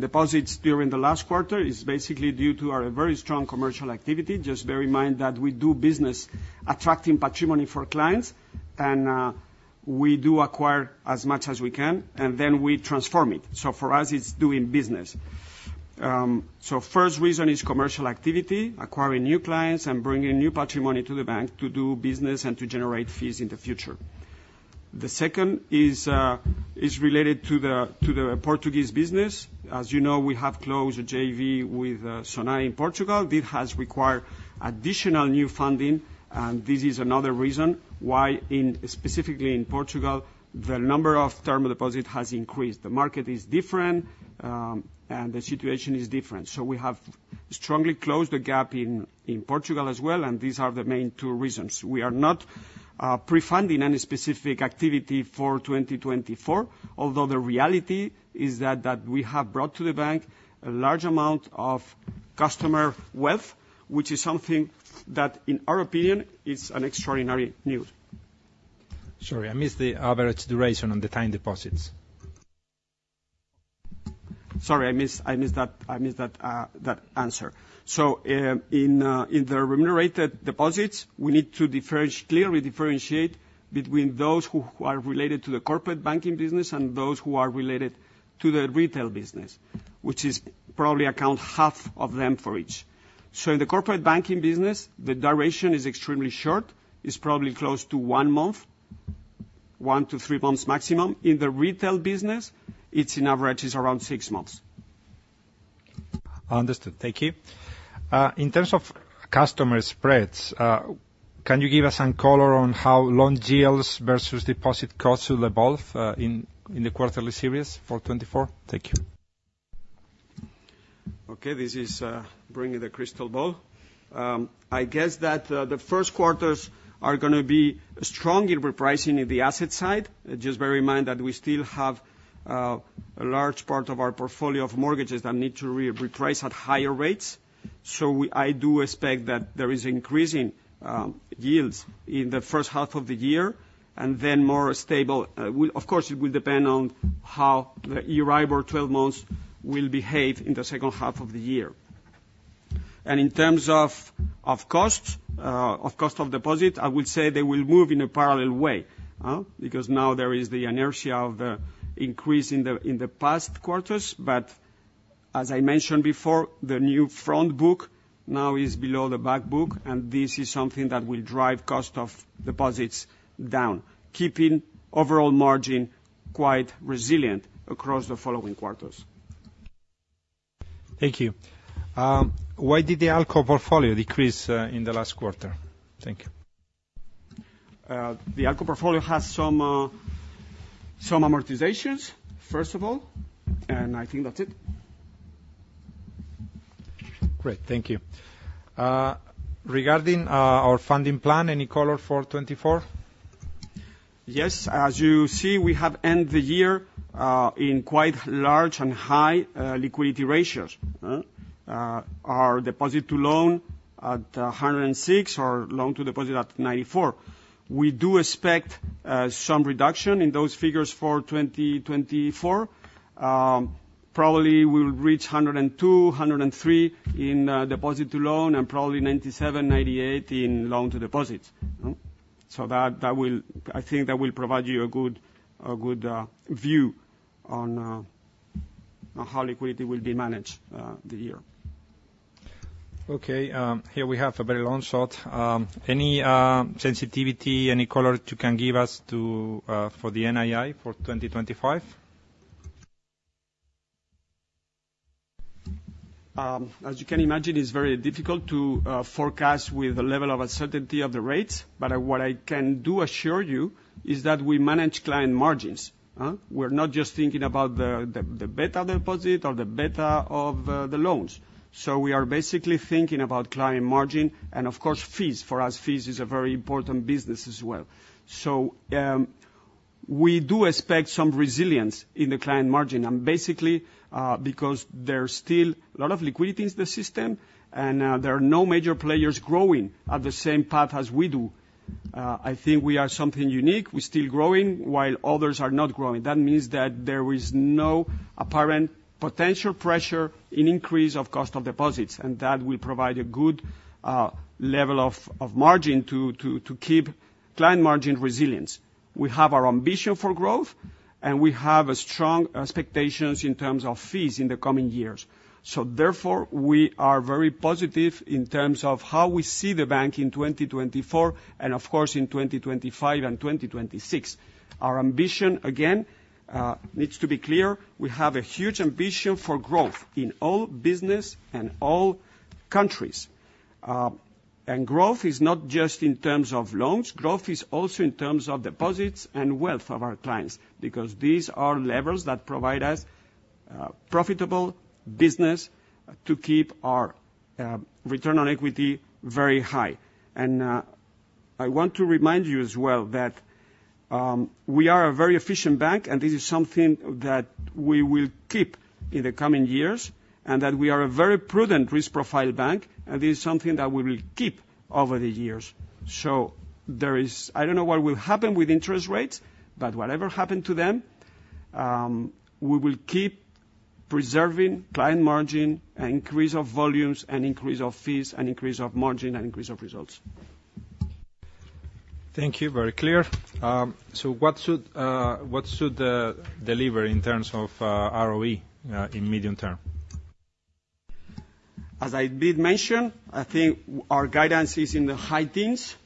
B: deposits during the last quarter is basically due to our very strong commercial activity. Just bear in mind that we do business attracting patrimony for clients, and we do acquire as much as we can, and then we transform it. So for us, it's doing business. So first reason is commercial activity, acquiring new clients and bringing new patrimony to the bank to do business and to generate fees in the future. The second is related to the Portuguese business. As you know, we have closed a JV with Sonae in Portugal. This has required additional new funding, and this is another reason why, specifically in Portugal, the number of term deposit has increased. The market is different, and the situation is different. So we have strongly closed the gap in Portugal as well, and these are the main two reasons. We are not pre-funding any specific activity for 2024, although the reality is that we have brought to the bank a large amount of customer wealth, which is something that, in our opinion, is an extraordinary news.
A: Sorry, I missed the average duration on the time deposits.
B: Sorry, I missed that answer. So, in the remunerated deposits, we need to clearly differentiate between those who are related to the corporate banking business and those who are related to the retail business, which probably accounts for half of them for each. So in the corporate banking business, the duration is extremely short. It's probably close to one month, one to three months maximum. In the retail business, it averages around six months.
A: Understood. Thank you. In terms of customer spreads, can you give us some color on how long yields versus deposit costs will evolve, in the quarterly series for 2024? Thank you.
B: Okay, this is bringing the crystal ball. I guess that the first quarters are gonna be strong in repricing in the asset side. Just bear in mind that we still have a large part of our portfolio of mortgages that need to reprice at higher rates. So I do expect that there is increasing yields in the first half of the year, and then more stable. Well, of course, it will depend on how the Euribor 12 months will behave in the second half of the year. And in terms of costs of deposit, I will say they will move in a parallel way because now there is the inertia of the increase in the past quarters. But as I mentioned before, the new front book now is below the back book, and this is something that will drive cost of deposits down, keeping overall margin quite resilient across the following quarters.
A: Thank you. Why did the ALCO portfolio decrease in the last quarter? Thank you.
B: The ALCO portfolio has some amortizations, first of all, and I think that's it.
A: Great, thank you. Regarding our funding plan, any color for 2024?
B: Yes. As you see, we have ended the year in quite large and high liquidity ratios. Our deposit to loan at 106, our loan to deposit at 94. We do expect some reduction in those figures for 2024. Probably we'll reach 102, 103 in deposit to loan, and probably 97, 98 in loan to deposits. So that, that will. I think that will provide you a good view on how liquidity will be managed the year.
A: Okay, here we have a very long shot. Any sensitivity, any color you can give us for the NII for 2025?
B: As you can imagine, it's very difficult to forecast with the level of uncertainty of the rates, but what I can do assure you is that we manage client margins. We're not just thinking about the beta deposit or the beta of the loans. So we are basically thinking about client margin and, of course, fees. For us, fees is a very important business as well. So we do expect some resilience in the client margin, and basically, because there's still a lot of liquidity in the system, and there are no major players growing at the same path as we do. I think we are something unique. We're still growing while others are not growing. That means that there is no apparent potential pressure in increase of cost of deposits, and that will provide a good level of margin to keep client margin resilience. We have our ambition for growth, and we have a strong expectations in terms of fees in the coming years. So therefore, we are very positive in terms of how we see the bank in 2024 and, of course, in 2025 and 2026. Our ambition, again, needs to be clear. We have a huge ambition for growth in all business and all countries. And growth is not just in terms of loans, growth is also in terms of deposits and wealth of our clients, because these are levels that provide us profitable business to keep our return on equity very high. I want to remind you as well that we are a very efficient bank, and this is something that we will keep in the coming years, and that we are a very prudent risk profile bank, and this is something that we will keep over the years. So, I don't know what will happen with interest rates, but whatever happened to them, we will keep preserving client margin and increase of volumes, and increase of fees, and increase of margin, and increase of results.
A: Thank you. Very clear. So what should deliver in terms of ROE in medium term?
B: As I did mention, I think our guidance is in the high teens.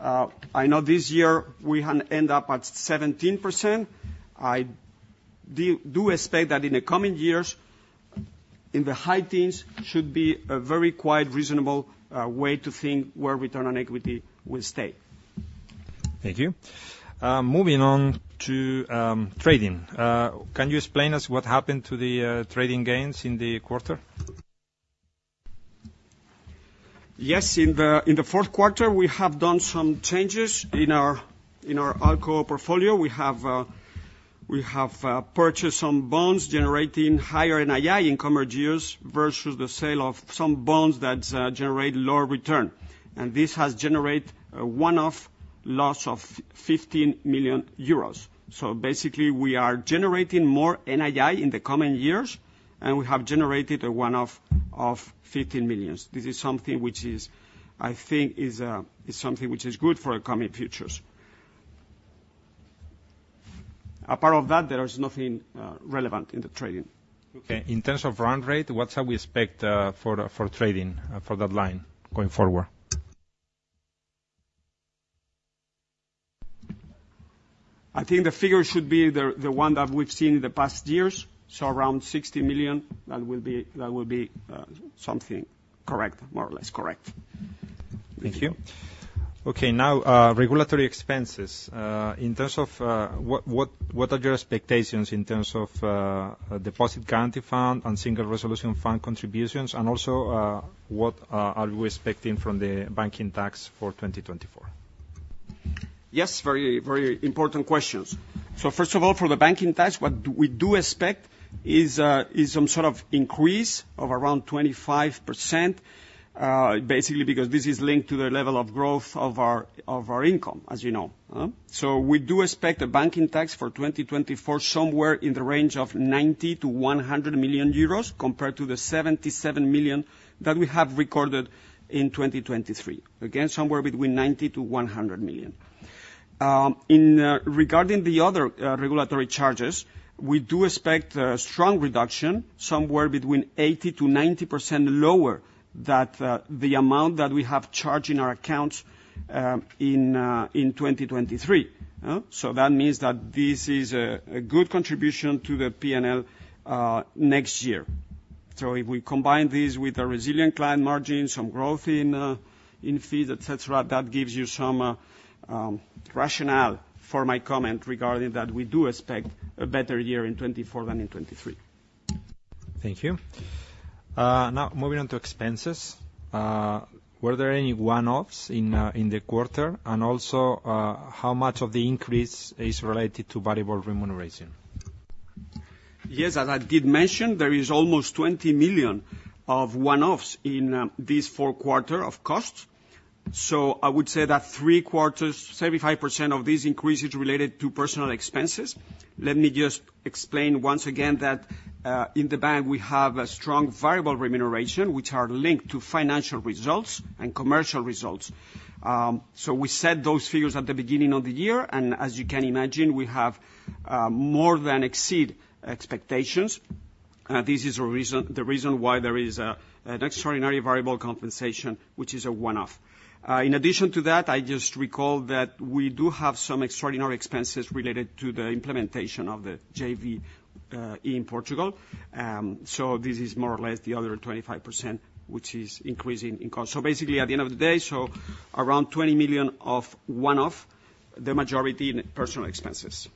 B: I know this year we end up at 17%. I do expect that in the coming years, in the high teens should be a very quite reasonable way to think where return on equity will stay.
A: Thank you. Moving on to trading. Can you explain us what happened to the trading gains in the quarter?
B: Yes, in the fourth quarter, we have done some changes in our ALCO portfolio. We have purchased some bonds generating higher NII in coming years, versus the sale of some bonds that generate lower return. And this has generate a one-off loss of 15 million euros. So basically, we are generating more NII in the coming years, and we have generated a one-off of 15 million. This is something which is, I think, is something which is good for our coming futures. Apart of that, there is nothing relevant in the trading.
A: Okay. In terms of run rate, what shall we expect for trading, for that line going forward?
B: I think the figure should be the one that we've seen in the past years, so around 60 million, that will be something correct, more or less correct.
A: Thank you. Okay, now, regulatory expenses. In terms of, what are your expectations in terms of, Deposit Guarantee Fund and Single Resolution Fund contributions? And also, what are we expecting from the banking tax for 2024?
B: Yes, very, very important questions. So first of all, for the banking tax, what we do expect is some sort of increase of around 25%, basically because this is linked to the level of growth of our, of our income, as you know. So we do expect a banking tax for 2024, somewhere in the range of 90 million-100 million euros, compared to the 77 million that we have recorded in 2023. Again, somewhere between 90 million-100 million. In regarding the other regulatory charges, we do expect a strong reduction, somewhere between 80%-90% lower than the amount that we have charged in our accounts in 2023. So that means that this is a good contribution to the P&L next year. So if we combine this with a resilient client margin, some growth in fees, et cetera, that gives you some rationale for my comment regarding that we do expect a better year in 2024 than in 2023.
A: Thank you. Now moving on to expenses. Were there any one-offs in the quarter? And also, how much of the increase is related to variable remuneration?
B: Yes, as I did mention, there is almost 20 million of one-offs in this fourth quarter of costs. So I would say that three quarters, 75% of these increases related to personal expenses. Let me just explain once again that in the bank, we have a strong variable remuneration, which are linked to financial results and commercial results. So we set those figures at the beginning of the year, and as you can imagine, we have more than exceed expectations. This is a reason, the reason why there is a, an extraordinary variable compensation, which is a one-off. In addition to that, I just recall that we do have some extraordinary expenses related to the implementation of the JV in Portugal. So this is more or less the other 25%, which is increasing in cost. So basically, at the end of the day, so around 20 million of one-off, the majority in personal expenses.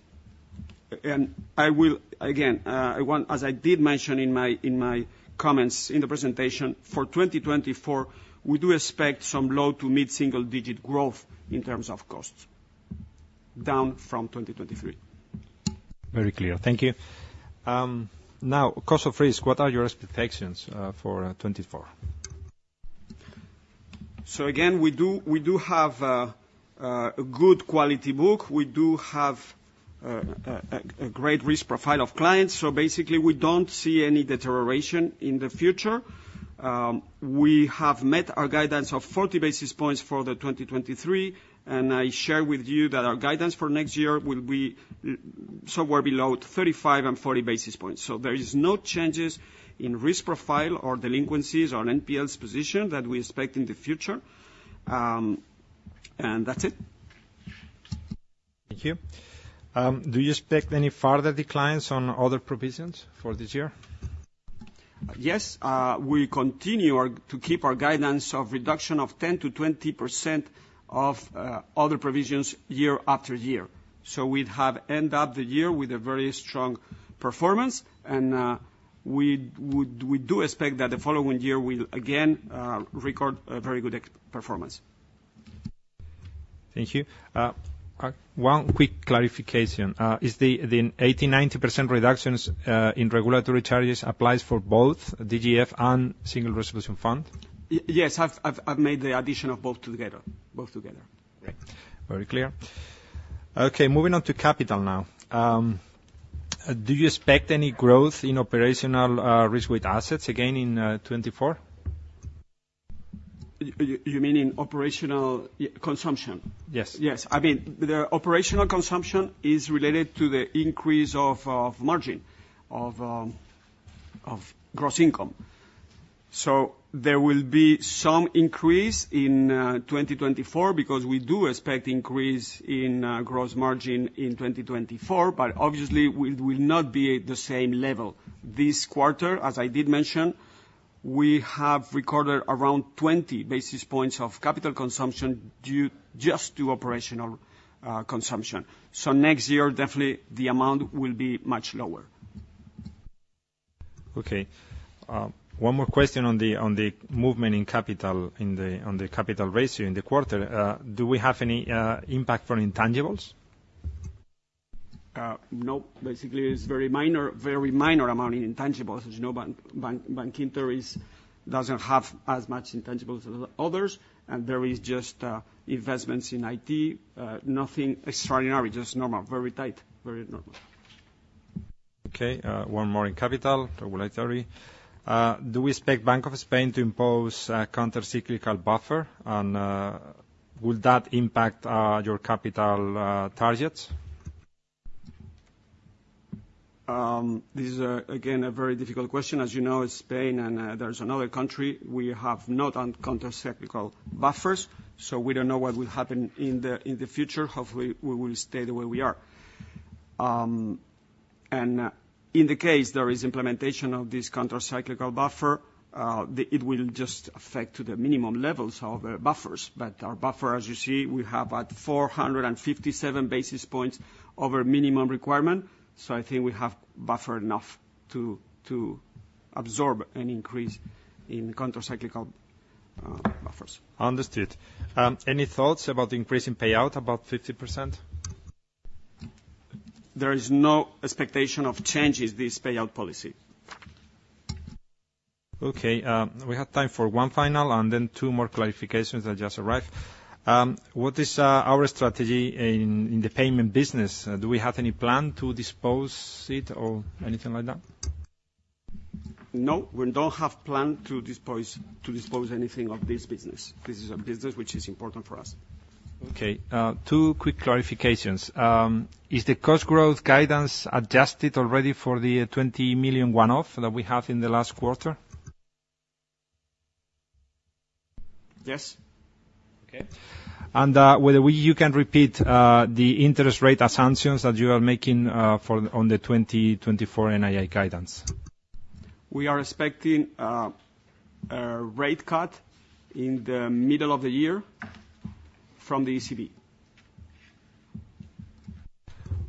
B: And I will, again, I want as I did mention in my, in my comments in the presentation, for 2024, we do expect some low- to mid-single-digit growth in terms of costs, down from 2023.
A: Very clear. Thank you. Now, cost of risk, what are your expectations for 2024?
B: So again, we do, we do have a good quality book. We do have a great risk profile of clients, so basically, we don't see any deterioration in the future. We have met our guidance of 40 basis points for 2023, and I share with you that our guidance for next year will be somewhere below 35 and 40 basis points. So there is no changes in risk profile, or delinquencies, or NPLs position that we expect in the future. And that's it.
A: Thank you. Do you expect any further declines on other provisions for this year?
B: Yes, we continue to keep our guidance of reduction of 10%-20% of other provisions year after year. So we'd end up the year with a very strong performance, and we would, we do expect that the following year will again record a very good performance.
A: Thank you. One quick clarification: Is the 80%-90% reductions in regulatory charges applies for both DGF and Single Resolution Fund?
B: Yes, I've made the addition of both together. Both together.
A: Great. Very clear. Okay, moving on to capital now. Do you expect any growth in operational Risk-Weighted Assets again in 2024?
B: You mean in operational consumption?
A: Yes.
B: Yes. I mean, the operational consumption is related to the increase of, of margin, of, of gross income. So there will be some increase in 2024, because we do expect increase in gross margin in 2024, but obviously, we will not be at the same level. This quarter, as I did mention, we have recorded around 20 basis points of capital consumption due just to operational consumption. So next year, definitely, the amount will be much lower.
A: Okay. One more question on the movement in capital, on the capital ratio in the quarter. Do we have any impact from intangibles?
B: Nope. Basically, it's very minor, very minor amount in intangibles. As you know, Bankinter doesn't have as much intangibles as others, and there is just investments in IT. Nothing extraordinary, just normal, very tight, very normal.
A: Okay, one more in capital, regulatory. Do we expect Bank of Spain to impose a countercyclical buffer, and will that impact your capital targets?
B: This is again a very difficult question. As you know, Spain and there's another country, we have not done countercyclical buffers, so we don't know what will happen in the future. Hopefully, we will stay the way we are. In the case there is implementation of this countercyclical buffer, it will just affect to the minimum levels of our buffers. But our buffer, as you see, we have at 457 basis points over minimum requirement, so I think we have buffered enough to absorb any increase in countercyclical buffers.
A: Understood. Any thoughts about increasing payout, about 50%?
B: There is no expectation of changes this payout policy.
A: Okay, we have time for one final and then two more clarifications that just arrived. What is our strategy in the payment business? Do we have any plan to dispose it or anything like that?
B: No, we don't have plan to dispose anything of this business. This is a business which is important for us.
A: Okay, two quick clarifications. Is the cost growth guidance adjusted already for the 20 million one-off that we have in the last quarter?
B: Yes.
A: Okay. Whether you can repeat the interest rate assumptions that you are making for on the 2024 NII guidance?
B: We are expecting a rate cut in the middle of the year from the ECB.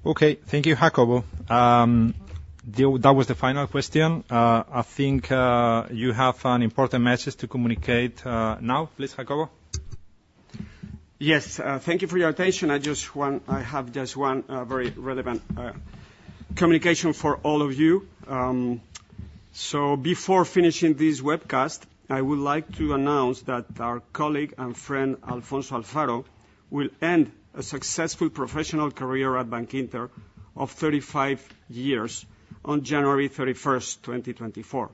A: Okay. Thank you, Jacobo. That was the final question. I think you have an important message to communicate now. Please, Jacobo.
B: Yes, thank you for your attention. I just want-- I have just one very relevant communication for all of you. So before finishing this webcast, I would like to announce that our colleague and friend, Alfonso Alfaro, will end a successful professional career at Bankinter of 35 years on January 31st, 2024.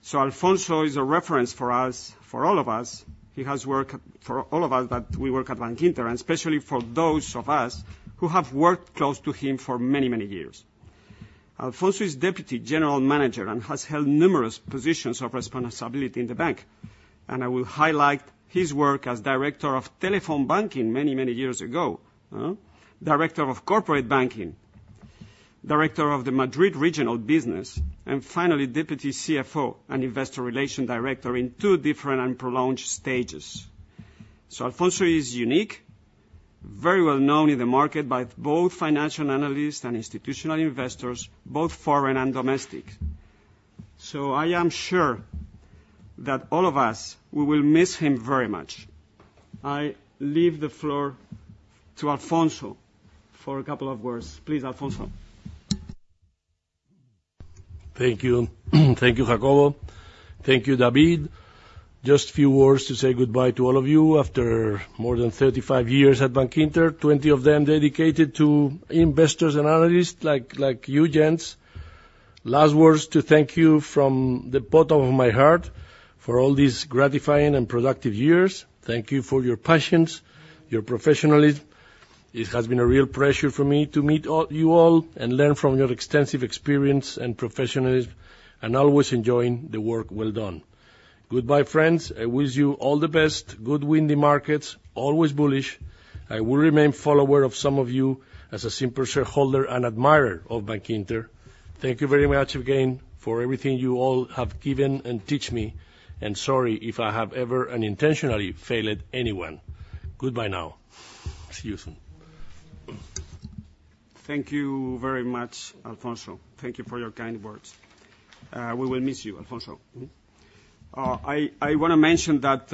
B: So Alfonso is a reference for us, for all of us. He has worked for all of us, that we work at Bankinter, and especially for those of us who have worked close to him for many, many years. Alfonso is Deputy General Manager and has held numerous positions of responsibility in the bank, and I will highlight his work as Director of Telephone Banking many, many years ago, Director of Corporate Banking, Director of the Madrid Regional Business, and finally, Deputy CFO and Investor Relations Director in two different and prolonged stages. Alfonso is unique, very well known in the market by both financial analysts and institutional investors, both foreign and domestic. I am sure that all of us, we will miss him very much. I leave the floor to Alfonso for a couple of words. Please, Alfonso.
C: Thank you. Thank you, Jacobo. Thank you, David. Just a few words to say goodbye to all of you after more than 35 years at Bankinter, 20 of them dedicated to investors and analysts like, like you, gents. Last words to thank you from the bottom of my heart for all these gratifying and productive years. Thank you for your patience, your professionalism. It has been a real pleasure for me to meet all, you all, and learn from your extensive experience and professionalism, and always enjoying the work well done. Goodbye, friends. I wish you all the best. Good wind in markets, always bullish. I will remain follower of some of you as a simple shareholder and admirer of Bankinter. Thank you very much again for everything you all have given and teach me, and sorry if I have ever unintentionally failed anyone. Goodbye now. See you soon.
B: Thank you very much, Alfonso. Thank you for your kind words. We will miss you, Alfonso. I wanna mention that,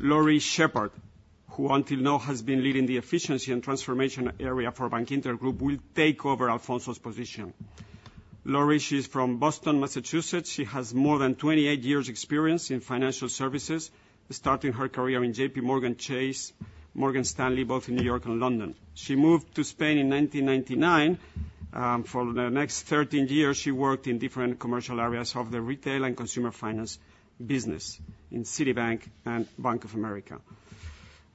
B: Laurie Shepard, who until now has been leading the efficiency and transformation area for Bankinter Group, will take over Alfonso's position. Laurie, she's from Boston, Massachusetts. She has more than 28 years' experience in financial services, starting her career in JPMorgan Chase, Morgan Stanley, both in New York and London. She moved to Spain in 1999. For the next 13 years, she worked in different commercial areas of the retail and consumer finance business in Citibank and Bank of America.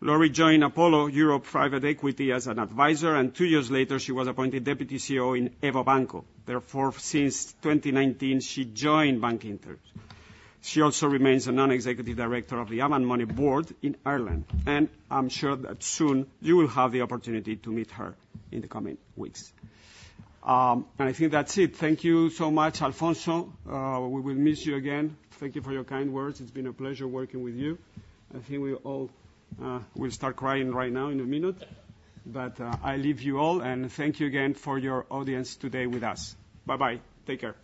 B: Laurie joined Apollo Global Management as an advisor, and two years later, she was appointed Deputy CEO in EVO Banco. Therefore, since 2019, she joined Bankinter. She also remains a non-executive director of the Avant Money board in Ireland, and I'm sure that soon you will have the opportunity to meet her in the coming weeks. I think that's it. Thank you so much, Alfonso. We will miss you again. Thank you for your kind words. It's been a pleasure working with you. I think we all will start crying right now in a minute, but I leave you all, and thank you again for your audience today with us. Bye-bye. Take care.